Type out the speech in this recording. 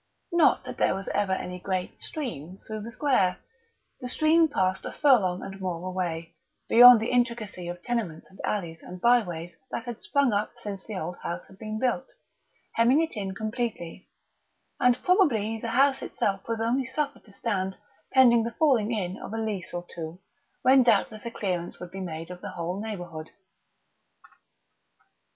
Not that there was ever any great "stream" through the square; the stream passed a furlong and more away, beyond the intricacy of tenements and alleys and byways that had sprung up since the old house had been built, hemming it in completely; and probably the house itself was only suffered to stand pending the falling in of a lease or two, when doubtless a clearance would be made of the whole neighbourhood.